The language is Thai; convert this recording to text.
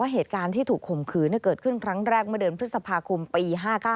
เหตุการณ์ที่ถูกข่มขืนเกิดขึ้นครั้งแรกเมื่อเดือนพฤษภาคมปี๕๙